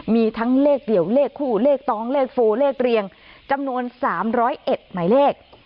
มีทั้งเลขเดี่ยวเลขคู่เลขตองเลขโฟเลขเรียงจำนวน๓๐๑หมายเลข